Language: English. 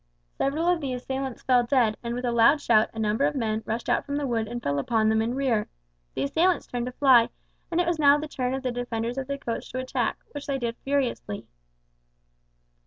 Several of the assailants fell dead, and with a loud shout a number of men rushed out from the wood and fell upon them in rear. The assailants turned to fly, and it was now the turn of the defenders of the coach to attack, which they did furiously.